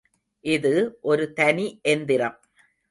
இது ஒரு தனி எந்திரம்.